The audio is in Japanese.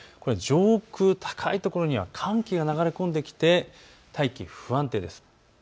上空高いところには寒気が流れ込んできて大気、不安定です。